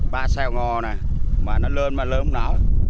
ba xeo ngò nè mà nó lơm mà lơm nó